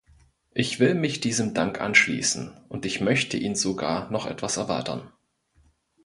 Ich will mich diesem Dank anschließen, und ich möchte ihn sogar noch etwas erweitern.